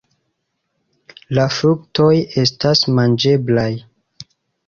La fruktoj estas manĝeblaj.